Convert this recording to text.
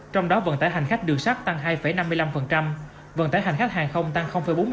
trong đó vận tải hành khách đường sắt tăng hai năm mươi năm vận tải hành khách hàng không tăng bốn mươi tám